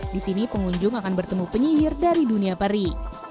disini pengunjung akan bertemu penyihir dari dunia peri